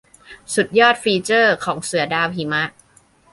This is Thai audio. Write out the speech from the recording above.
สุดยอดฟีเจอร์ของเสือดาวหิมะ